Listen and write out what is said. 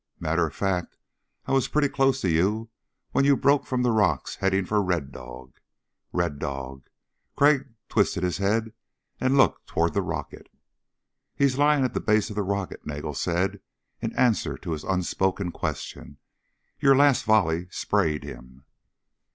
Matter of fact, I was pretty close to you when you broke from the rocks heading for Red Dog." Red Dog! Crag twisted his head and looked toward the rocket. "He's lying at the base of the rocket," Nagel said, in answer to his unspoken question. "Your last volley sprayed him."